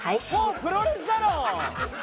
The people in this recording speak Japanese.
もうプロレスだろ！